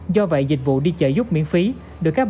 do vậy dịch vụ đi chợ giúp miễn phí được các bạn